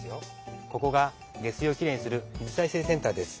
ここが下水をきれいにする水再生センターです。